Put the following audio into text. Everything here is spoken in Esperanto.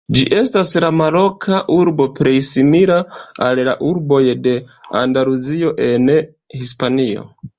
Ĝi estas la maroka urbo plej simila al la urboj de Andaluzio en Hispanio.